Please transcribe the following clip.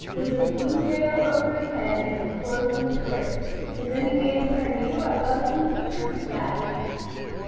"With a blue veil over his head, and his clothes in strips. Has any man here a needle? I've got a piece of sugar sack."